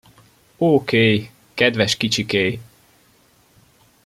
Ó, Kay, kedves kicsi Kay!